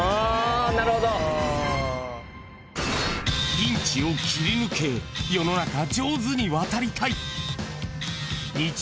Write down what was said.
［ピンチを切り抜け世の中上手に渡りたい］